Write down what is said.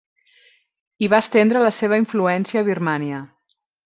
I va estendre la seva influència a Birmània.